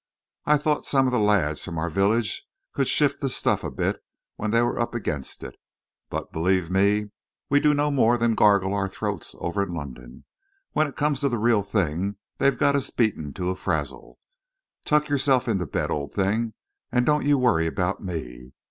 I thought some of the lads from our own village could shift the stuff a bit when they were up against it, but, believe me, we do no more than gargle our throats over in London. When it comes to the real thing, they've got us beaten to a frazzle. Tuck yourself into bed, old thing, and don't you worry about me.